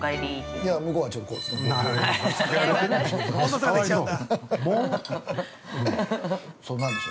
◆いや、向こうはちょっとこうですよ。